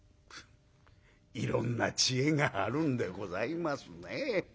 「いろんな知恵があるんでございますね。